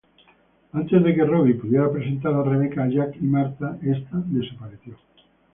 Antes de que Robbie pudiera presentar a Rebecca a Jack y Martha esta desapareció.